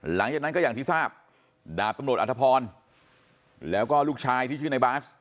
หลังจากนั้นก็อย่างที่ทราบดาบตำรวจอธพรแล้วก็ลูกชายที่ชื่อในบาส